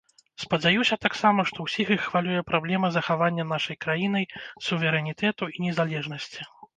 Спадзяюся таксама, што ўсіх іх хвалюе праблема захавання нашай краінай суверэнітэту і незалежнасці.